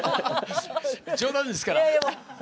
冗談ですから。